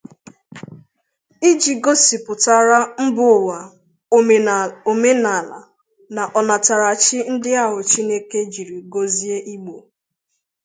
iji gosipụtara mba ụwa omenala na ọnatarachi ndị ahụ Chineke jiri gọzie Igbo